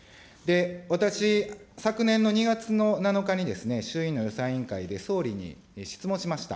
私、昨年の２月の７日に、衆議院の予算委員会で総理に質問しました。